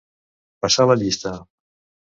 Passar la llista.